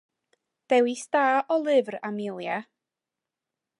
Dewis da o lyfr Amelia!